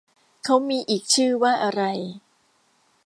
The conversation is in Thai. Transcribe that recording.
เค้ามีอีกชื่อว่าอะไร